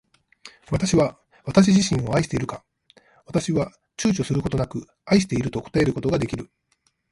私は私自身を愛しているか。私は躊躇ちゅうちょすることなく愛していると答えることが出来る。